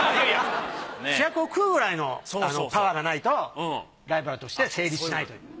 主役を食うくらいのパワーがないとライバルとして成立しないという。